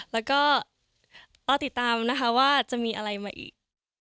แล้วก็รอติดตามนะคะว่าจะมีอะไรมาอีก